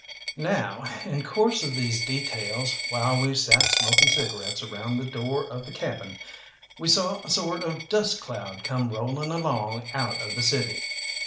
Now, in course of these details, while we sat smoking cigarettes around the door of the cabin, we saw a sort of dust cloud come rolling along out of the city.